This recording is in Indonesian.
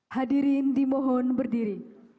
hadirin dimohon berdiri